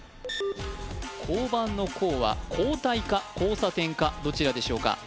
交番の交は交替か交差点かどちらでしょうか？